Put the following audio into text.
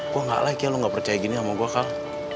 gue gak like ya lo gak percaya gini sama gue kal